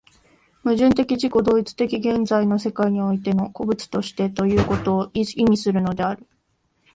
矛盾的自己同一的現在の世界においての個物としてということを意味するのである。